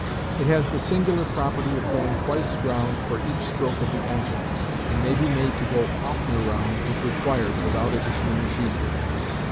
It has the singular property of going twice round for each stroke of the engine, and may be made to go oftener round, if required, without additional machinery.